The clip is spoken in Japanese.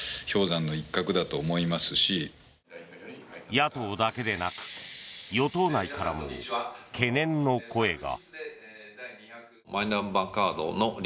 野党だけでなく与党内からも懸念の声が。